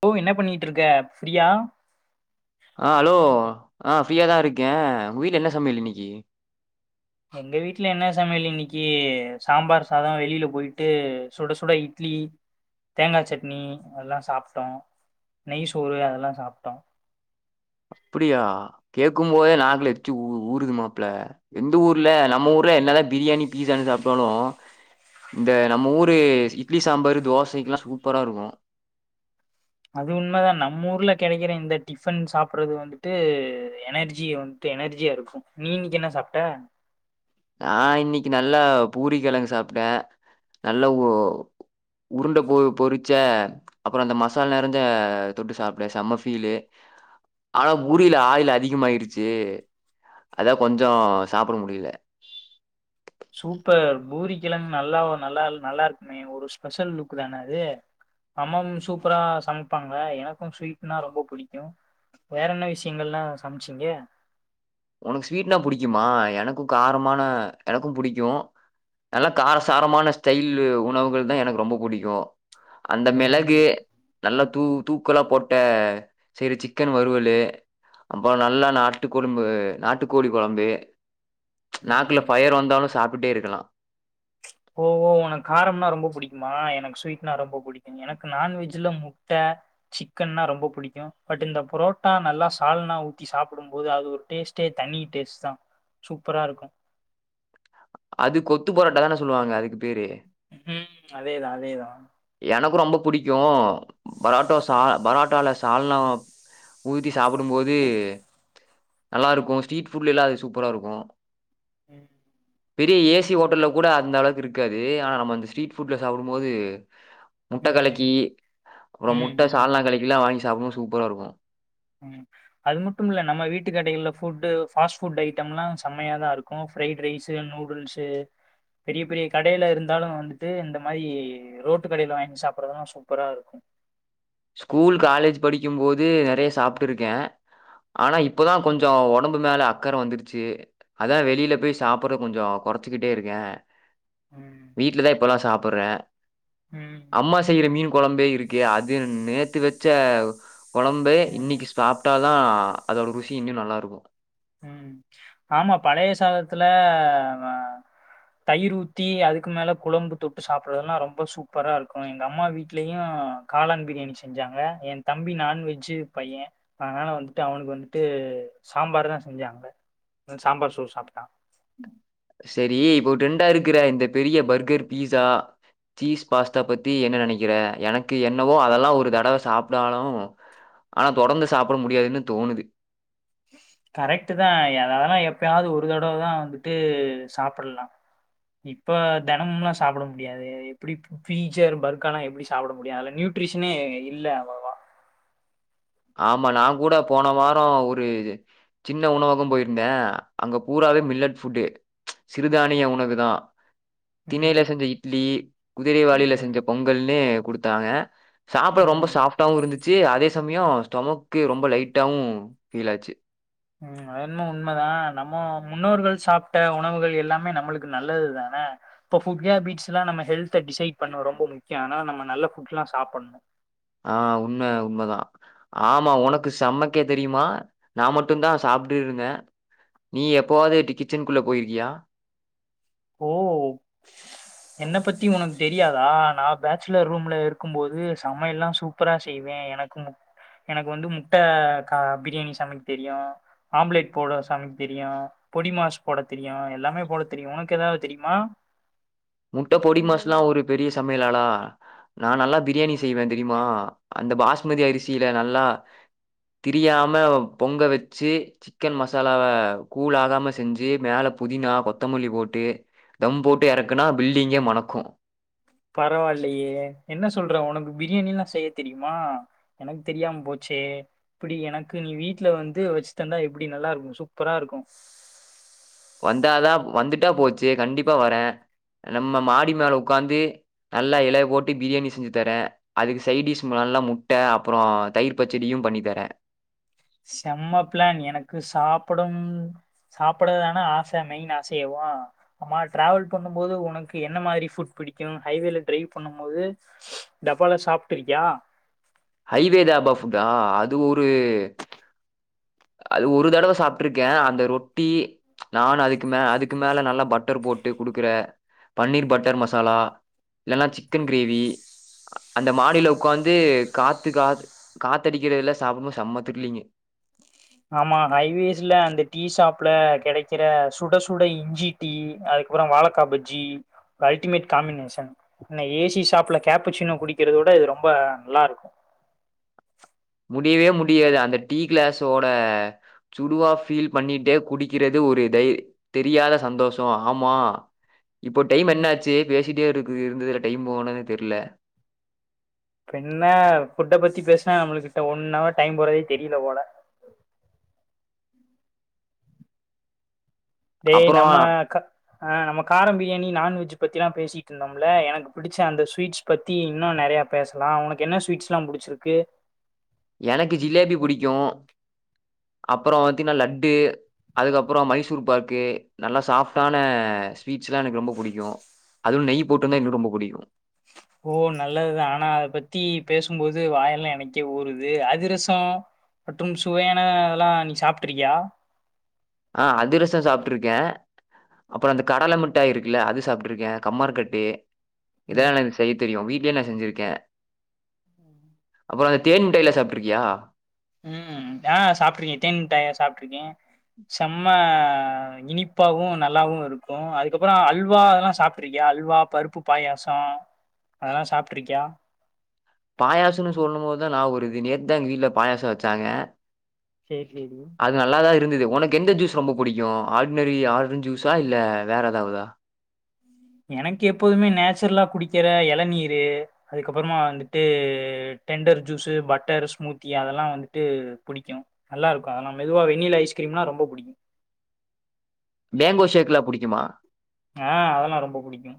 போ என்ன பண்ணிட்ருக்க ஃப்ரீயா ஆ ஹலோ ஆ ஃப்ரீயாதா இருக்கே உங்க வீட்ல என்ன சமையல் இன்னைக்கி எங்க வீட்டுல என்ன சமையல் இன்னிக்கு சாம்பார் சாதம் வெளியில போயிட்டு சுட சுட இட்லி தேங்கா சட்னி அதெல்லா சாப்ட்டோ நெய் சோறு அதெல்லா சாப்ட்டோ அப்படியா கேக்கும் போதே நாக்குல எச்சி ஊ ஊறுது மாப்ள எந்த ஊர்ல நம்ம ஊர்ல என்னாதா பிரியாணி பீஸான்னு சாப்ட்டாலு இந்த நம்ம ஊரு இட்லி சாம்பாரு தோசைக்ல்லா சூப்பரா இருக்கு அது உண்ம தா நம்ம ஊர்ல கெடைக்கிற இந்த டிஃபன் சாப்புட்றது வந்துட்டு எனர்ஜிய வந்துட்டு எனர்ஜியா இருக்கும் நீ இன்னைக்கு என்ன சாப்ட்ட நா இன்னைக்கு நல்லா பூரி கெழங்கு சாப்ட்டே நல்லா உ உருண்ட பொ பொறிச்ச அப்பறம் அந்த மசாலா நெறஞ்ச தொட்டு சாப்ட்டே செம்ம ஃபீலு ஆனா பூரியில ஆயில் அதிகமாயிருச்சு அதா கொஞ்சோ சாப்ட முடியல [inaudible] சூப்பர் பூரி கெழங்கு நல்லாவ நல்லா நல்லா இருக்குமே ஒரு ஸ்பெஷல் லுக் தான அது அம்மம் சூப்பரா சமைப்பாங்க எனக்கு ஸ்வீட்னா ரொம்ப பிடிக்கு வேற என்ன விஷயங்கள்லா சமைச்சீங்க உனக்கு ஸ்வீட்னா புடிக்குமா எனக்கு காரமான எனக்கும் புடிக்கு நல்லா காரசாரமான ஸ்டைல் உணவுகள் தா எனக்கு ரொம்ப புடிக்கு அந்த ம் மெளகு நல்லா தூ தூக்கலா போட்டே செய்ற சிக்கன் வறுவலு அப்பற நல்லா நாட்டுக் கொழும்பு நாட்டுக்கோழி கொழம்பு நாக்குல ம் ஃபயர் வந்தாலு சாப் ட்டேருக்கலா ஓவோ உனக் காரம்னா ரொம்பொ புடிக்குமா எனக்கு ஸ்வீட்னா ரொம்பொ புடிக்கும் எனக்கு நான்வெஜ்ல முட்டே சிக்கன்னா ரொம்பொ புடிக்கு பட் இந்த புரோட்டா நல்லா சால்னா ஊத்தி சாப்பிடும் போது அது ஒரு டேஸ்ட்டே தனீ டேஸ்ட் தா சூப்பராருக்கு அது கொத்து பரோட்டா தானே சொல்லுவாங்க அதுக்கு பேரு ம் அதேதா அதேதா எனக்கு ரொம்போ பிடிக்கு பராட்டோ சா பரோட்டால சால்னா ஊத்தி சாப்புடும்போது நல்லாருக்கு ஸ்டீட் ஃபுட்லல்லா அது சூப்பராருக்கு ம் பெரியெ ஏ சி ஓட்டல்ல கூட அந்தளவுக் இருக்காது ஆனா நம்ம அந்த ஸ்ட்ரீட்ஃபுட்ல சாப்புடும் போது முட்ட கலக்கீ ம் அப்றொ ம் முட்ட ம் சால்னா கலக்கிலா வாங்கி சாப்புனு சூப்பராருக்கு ம் அது மட்டும்ல்ல நம்ம வீட்டு கடைகல்ல ஃபுட்டு ஃபாஸ்ட் ஃபுட் ஐட்டம்ல்லா செம்மையாதா இருக்கு ஃப்ரைட் ரைஸு நூடுல்ஸு பெரிய பெரிய கடையிலருந்தாலு வந்துட்டு இந்த மாரி ரோட்டு கடயில வாங் சாப்புறதெல்லா சூப்பராருக்கு ஸ்கூல் காலேஜ் படிக்கியும் போது நெறய சாப்ட்டுருக்கே ஆனா இப்பதா கொஞ்சோ உடம்பு மேலெ அக்கற வந்துருச்சு அதா வெளீல போய் சாப்புற கொஞ்சோ குறச்சிகிட்டே இருக்கே ம் வீட்லதா இப்பலா சாப் புர்றே ம் அம்மா செய்ற மீன் கொழம்பே இருக்கே அத் து நேத்து வச்ச கொழம்பே ம், இன்னிக்கி சாப்ட்டா அதா அதோட ருசி இன்னியு நல்லாருக்கு ம். ஆமா பழய சாதத்துல தயிரூத்தி அதுக்கு மேல குழம்பு தொட்டு சாப்பிட்றதெல்லா ரொம்பொ சூப்பராருக்கு எங்க அம்மா வீட்லேயு காளான் பிரியாணி செஞ்சாங்க என் தம்பி நான்வெஜ்ஜு பைய்யெ அதனால வந்துட்டு அவனுக் வந்துட்டு சாம்பாருதா செஞ்சாங்க சாம்பார் சோர் சாப்ட்டா செரி இப்போ ட்ரெண்டாருக் கிற இந்த பெரிய பர்கர் பீஸா சீஸ் பாஸ்தா பத்தி என்ன நெனகிறே எனக்கு என்னவோ அதலா ஒரு தடவ சாப்டாலு அனா தொடர்ந்து சாப்புட முடியாதுன்னு தோணுது கரேக்ட்டு தா எதலனா எப்பியாது ஒரு தடவ தா வந்துட்டூ சாப்புல்லா இப்போ தினமும்ல்லா சாப்புட முடியாது எப்புடி பு பீச்சர் பர்க்காலா எப்டி சாப்பட முடியு அத்ல நியூட்ரிஷ்னே இல்லே அவ்வளவா ஆமா நா கூட போன வாரோ ஒரு சின்ன உணவகம் போயிருந்தே அங்க பூராவே மில்லட் ஃபுட்டு சிறுதானிய உணவு தான் திணையிலெ ம், செஞ்செ இட்லி குதிரைவாளிலெ ம், செஞ்செ பொங்கல் னே கொடுத் த்தாங்க சாப்ட ரொம்பொ ம். சாஃப்டாவுருந்துச்சு அதே சம்யோஸ் டொமக்கு ரொம்பொ லைட்டாவு ஃபீலாச்சு உம் அதன்மெ உண்மெதா நம்மோ முன்னோர்கள் சாப்ட்ட உணவுகள் எல்லாமே நம்முளுக்கு நல்லது தானே இப்பொ ஃபுட்க் கேபிட்ஸ்லா நம்ம ஹெல்தெ டிசைட் பண்ணு ரொம்பொ முக்கியு அனா நம்ம நல்ல புட்லா சாப்புன்ணு ஆஹ் உண்மெ உண்மெதா ஆமா உனக்கு சம்மெக்கே தெரியுமா நா மட்டு தா சாப்டு இருந்தே நீ எப்போவாது இப்டி கிச்சென்க்குள்ள போயிருகியா ஓ என்ன பத்தி உனுக் தெரியாதா நா பேச்சுலர் ரூம்லெ இருக்கும் போது சமயல்லா சூப்புரா செய்வே எனக்குமுக் எனக் வந்து முட்டே கா பிரியாணி சமெக் தெரியூ ஆம்லேட் போட சமிக் தெரியூ பொடி மாஸ் போட தெரியூ எல்லாமே போட தெரியு உனுக் க்கு ஏதாவது தெரியுமா முட்டை பொடி மாசலாம் ஒரு பெரிய ச [unintelligible] நான் நல்லா பிரியாணி செய்வேன் தெரியுமா அந்த பாஸ்மதி அரிசியில நல்லா திரியாம பொங்க வச்சு சிக்கன் மசாலாவ கூலாகாம செஞ்சு மேல புதினா கொத்தமல்லி போட்டு தம் போட்டு இற க்குனா பில்டிங்கே மணக்கும் பரவாயில்லையே என்ன சொல்ற உனக்கு பிரியாணில்லாம் செய்ய தெரியுமா எனக்கு தெரியாம போச்சே இப்படி எனக்கு நீ வீட்டுல வந்து வச்சு தந்தா எப்படி நல்லா இருக்கும் சூப்பரா இருக்கும் வந்தாதான் வந்துட்டா போச்சு கண்டிப்பா வரேன் நம்ம மாடி மேல உட்காந்து நல்லா இலை போட்டு பிரியாணி செஞ்சு தரேன் அதுக்கு சைட டிஷ் நல்லா முட்டை அப்புறம் தயிர் பச்சடியும் பண்ணி தரே செம்ம பிளான் எனக்கு சாப்பிடும் சாப்பிடதான ஆசை மெயின் ஆசையாவ ஆம்மா டிராவல் பண்ணும் போது உனக்கு என்ன மாதிரி ஃபுட் பிடிக்கும் ஹைவேல டிரைவ் பண்ணும் போது டபால சாப்பட்டு இருக்கியா ஹைவே தாபா ஃபுட்டா அது ஒரு அது ஒரு தடவ சாப்பிட்டுருக்க அந்த ரொட்டி நான் அதுக்கு மே அதுக்கு மேல நல்லா பட்டர் போட்டு கொடுக்கற பன்னீர் பட்டர் மசாலா இல்லைன்னா சிக்கன் கிரேவி அந்த மாடில உட்காந்து காத்து காத் காத்தடிக்கிறதுல சாப்டும்போது செம்ம திரில்லிங்கு ஆமா ஹைவேஸ்ல அந்த டீ சாப்ல கிடைக்கிற சுட சுட இஞ்சி டீ அதுக்கப்புறம் வாழைக்கா பஜ்ஜி அல்டிமேட் காம்பினேஷன் அ ஏசி சாப்ல கேப்பிசின்னோ குடிக்கிறத விட இது ரொம்ப நல்லா இருக்கும் முடியவே முடியாது அந்த டீ கிளாஸோட சுடுவா ஃபீல் பண்ணிட்டே குடிக்கிறது ஒரு தை தெரியாத சந்தோஷம் ஆமா இப்போ டைம் என்னாச்சு பேசிட்டே இருக்கு இருந்ததுல டைம் போனதே தெரில பின்ன ஃபுட்ட பத்தி பேசினா நம்ம கிட்ட ஒன் வர் டைம் போறதே தெரியல போல டேய் அப்புறம் நம்ம ஆஹ் நம்ம காரம் பிரியாணி நாான்வெஜ் பத்திலாம் பேசிட்டு இருந்தோம்ல எனக்கு பிடிச்ச அந்த ஸ்வீட்ஸ் பத்தி இன்னும் நெறையா பேசலாம் உனக்கு என்ன ஸ்வீட்ஸ் எல்லாம் புடிச்சிருக்கு எனக்கு ஜிலேபி புடிக்கும் அப்புறம் வத்தீங்கன்னா லட்டு அதுக்கப்புறம் மைசூர் பாக்கு நல்லா சாஃப்டான ஸ்வீட்ஸ் இதுதா எனக்கு ரொம்ப புடிக்கும் அதுவும் நெய் போட்டுந்தான் எனக்கு ரொம்ப புடிக்கும் போது வாயெல்லாம் எனக்கே ஊருது அதிரசம் மற்றும் சுவையான அதெல்லா நீ சாப்பிட்ட இருக்கியா ஆஹ் அதிரசம் சாப்பிட்டு இருக்க அப்புறம் அந்த கடலை மிட்டா இருக்குல்ல அது சாப்பிட்டு இருக்கேன் கம்மரக்கட்டு இதெ ம் எனக்கு செய்ய தெரியும் வீட்டு இதென்ன செஞ்சிருக்கேன் [inaudible] அப்புறம் அந்த தேன்மிட்டையலாம் சாப்பிட்டுருக்கியா உம் நஹ் சாப்பிட்டுருக்கேன் தேன் மிட்டாய் எல்லாம் சாப்பிட்டுருக்கேன் செம்ம இனிப்பாவும் நல்லாவும் இருக்கும் அதுக்கப்புறம் அல்வா அதெல்லா சாப்பிட்டருக்கியா அல்வா பருப்பு பாயாசம் அதெல்லா சாப்பிட்ருக்கியா பாயாசம்ன்னு சொல்லும் போதுதா நாவ் உருது நேத்துதா எங்க வீட்டுல பாயாசம் வச்சாங்க சரி, சரி. அது நல்லாதா இருந்தது உனக்கு எந்த ஜூஸ் ரொம்ப புடிக்கும் ஆர்டனரி ஆரஞ் ஜூஸா இல்ல வேற ஏதாவதா எனக்கு எப்போதுமே நேச்சுரலா குடிக்கிற இளநீரு அதுக்கப்புறமா வந்துட்டு டெண்டர் ஜூஸு பட்டர் ஸ்மூத்தி அதெல்லாம் வந்துட்டு புடிக்கும் நல்லா இருக்கும் அதெல்லாம் மெதுவா வெண்ணிலா ஐஸ்கிரீம்ல்லா ரொம்ப பிடிக்கும் மேங்கோ ஷேக் எல்லாம் புடிக்குமா ஆஹ் அதெல்லாம் ரொம்ப பிடிக்கும்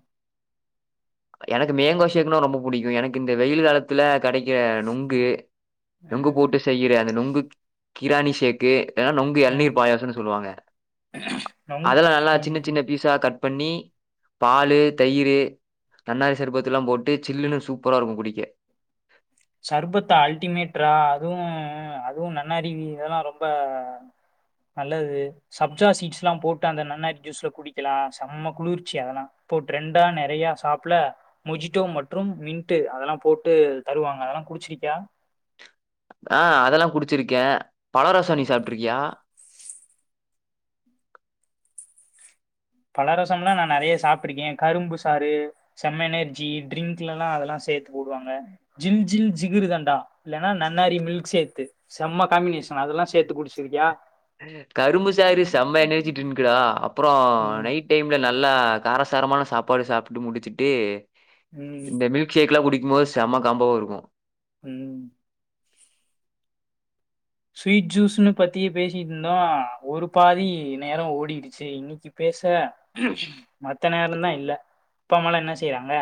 எனக்கு மேங்கோ சேகக்குனா ரொம்ப புடிக்குமக்ஷ எனக்கு இந்த வெயில் காலத்துல கெடைக்கிற நொங்கு நொங்கு ம், போட்டு செய்யுற அந்த நொங்கு கிராணி ஷேக்கு இல்லனா நொங்கு ம். எளநீர் பாயாசம்ன்னு சொல்லுவாங்க ரொம் அதெல நல்லா சின்ன ம். சின்ன பீசா கட் பண்ணி பாலு தயிரு நன்னாரி சர்பத்து எல்லா போட்டு சில்லுன்னு சூப்பரா இருக்கு குடிக்க சர்பத்தா அல்டிமேட்ரா அதுவு அதுவு நன்னரி இதெல்லா ரொம்ப நல்லது சப்ஜா சீட்ஸ் எல்லா போட்டு அந்த நன்னாரி ஜூஸ்ல குடிக்கலா செம்ம குளிர்ச்சி அதெல்லா போட்டு ரெண்டா நெறைய சாப்பல மொஜிட்டோ மற்றும் மின்ட்டு அதெல்லா போட்டு தருவாங்க அதெல்லா குடிச்சிருக்கியா ஆஹ் அதெல்லா குடிச்சிருக்கே பழ ரசனி சாப்ட்டுருக்கியா பழரசம்லா நா நெறையா சாப்ட்டுருக்கே கரும்பு சாறு செம்ம எனர்ஜி ட்ரிங்க்ல எல்லா அதெல்லா சேர்த்து போடுவாங்க ஜில் ஜில் ஜிகுறு தண்டா இல்லன்னா நன்னாரி மில்க் சேக்கு செம்ம காம்பினேஷன் அதெல்லா சேர்த்து குடிச்சிருக்கியா கரும்பு சாறு செம்ம எனர்ஜி ட்ரிங்க்குடா அப்புறோ ஆ ம் நைட் டைம்ல நல்லா காரசாரமான சாப்பாடு சாப்பிட்டு முடிச்சுட்டு ம் இந்த மில்க் ஷேக் எல்லா குடி க்கும்போது செம்ம காம்போவா இருக்கு உம் ஸ்வீட் ஜூஸ்ன்னு பத்தி பேசிட்டு இருந்தோ ஒரு பாதி நேர ஓடிடுச்சு இன்னைக்கு பேச மத்த நேரம்தா இல்ல அப்பா அம்மாலா என்ன செய்றாங்க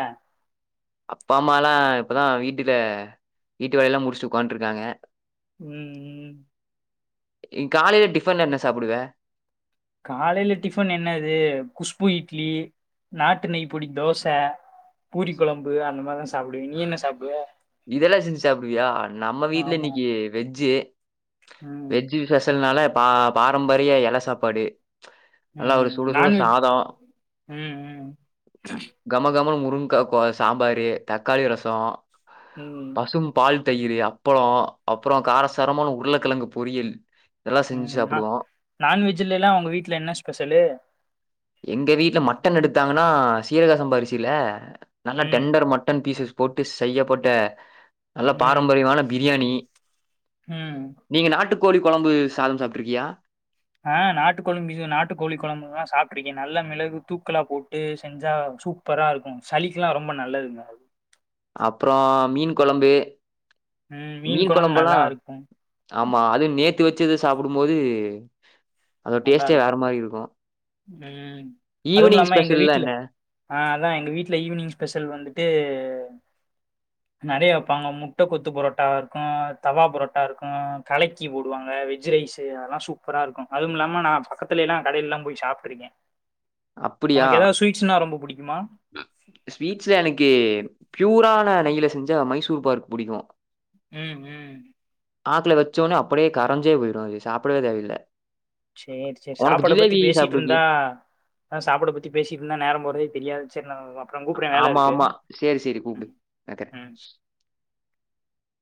அப்பா அம்மா எல்லா இப்பதா வீட்டுல வீட்டு வேலைய எல்லா முடிச்சு உக்காந்துட்டு இருக்காங்க உம் உம் இ காலையில டிஃபன் என்ன சாப்பிடுவே காலையில டிஃபன் என்னது குஷ்பு இட்லி நாட்டு நெய் பொடி தோச பூரி கொழம்பு அந்த மாரிதா சாப்புடுவே நீ என்ன சாப்டுவ இதெல்லா செஞ்சு சாப்டுவியா நம்ம வீட்டுல ஆமா இன்னைக்கு வெஜ்ஜு ம் வெஜ்ஜூ சேக்ஸன்னாலே பா பாரம்பரிய எல சாப்பாடு நல்லா ஒரு ம் சுட சுட நான்வெஜ் சாதொ ம் ம் கம கமனு மு முருங்கா கோ சாம்பாரு தக்காளி ரசொ ம் பசும் பால் தயிரு அப்பள அப்றோ காரசாரமான உருளைக்கிழங்கு பொறியல் உம் நா நான்வெஜ்ல எல்லா உங்க வீட்டுல என்ன ஸ்பெஷலு எங்க வீட்டுல மட்டன் எடுத்தாங்கன்னா சீரகசம்பா அரிசில நல்லா ம் டெண்டர் மட்டன் பீசஸ் போட்டு ச் செய்யப்பட்ட நல்ல ம் பாரம்பரியமான பிரியாணி ம் நீங்க நாட்டுக் கோழி கொழம்பு சாதம் சாப்ட்டுருக்கியா ஆஹ் நாட்டுக்குழம்பு ம் நாட்டுக்கோழி குழம்பு எல்லா சாப்பிட்டு இருக்கே நல்லா மிளகு தூக்கலா போட்டு செஞ்சா சூப்பரா இருக்கும் சளிக்கெல்லா ரொம்ப நல்லதுங்க அது அப்புறம் மீன் குழம்பு ம் மீன் கொழம்பு குழம்பல்லா நல்லா இருக்கு ஆமா அது நே நேத்து வெச்சுது சாப்பிடும்போது அதோட நல்லா டேஸ்ட்டே இருக்கு வேற மாரி இருக்கும். உம் ஈவினிங் அதுவுமில்லாம எங்க ஸ்பெஷல்லாம் வீட்ல என்ன? ஆஹ் அதா எங்க வீட்ல ஈவினிங் ஸ்பெஷல் வந்துட்டு நெறயா வெப்பாங்க முட்ட கொத்து புரோட்டாவா இருக்கு தவா புரோட்டா இருக்கு கலக்கி போடுவாங்க வெஜ் ரைஸ்சு அதெல்லா சூப்பரா இருக்கு அதுவும் இல்லாம நா பக்கத்துல எல்லா கடையில எல்லா போய் சாப்பிட்டுருக்கே அப்டியா ஸ்வீட்ஸ்ல எனக்கு பியூரான நெய்யில செஞ்ச மைசூர் பார்க் பிடிக்கு உம் உம் நாக்ல்ல வேச்சொன்னே அப்படியே கரைஞ்சே போயிரு அதை சாப்பிடவே தேவ இல்ல சேரி சேரி சாப்பாட்ட பத்தி பேசிட்டு இருந்தா சாப்ட்டுருக்கியா? அதா சாப்பாட்ட பத்தி பேசிட்டு இருந்தா நேரம் போறதே தெரியாது ச்ச ஆம்மாமா சேரி சேரி கூப்டு ம், வெக்கற ம்.